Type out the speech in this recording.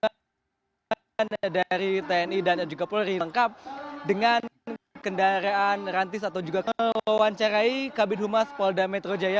dan juga dari tni dan juga polri lengkap dengan kendaraan rantis atau juga kewancarai kabin humas polda metro jaya